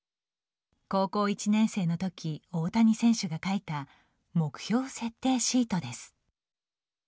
高校１年生のとき大谷選手が書いた目標設定シートです。